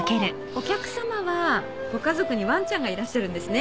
お客さまはご家族にわんちゃんがいらっしゃるんですね。